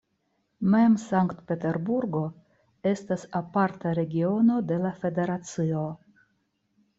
Mem Sankt-Peterburgo estas aparta regiono de la federacio.